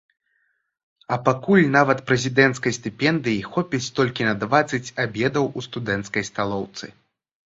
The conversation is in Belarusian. А пакуль нават прэзідэнцкай стыпендыі хопіць толькі на дваццаць абедаў у студэнцкай сталоўцы.